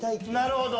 なるほど。